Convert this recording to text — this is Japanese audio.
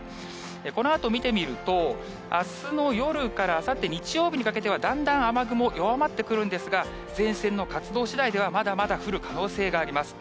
このあと見てみると、あすの夜からあさって日曜日にかけては、だんだん雨雲、弱まってくるんですが、前線の活動しだいでは、まだまだ降る可能性があります。